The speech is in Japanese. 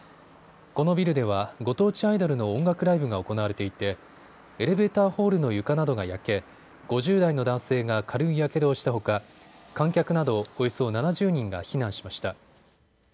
このビルではご当地アイドルの音楽ライブが行われていてエレベーターホールの床などが焼け５０代の男性が軽いやけどをしたほか観客などおよそ７０人が避難しました。